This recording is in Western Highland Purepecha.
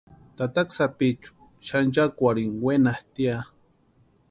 Tataka sapichu xanchakwarhini wenatʼi ya.